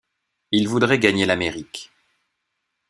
Ils voudraient gagner l'Amérique.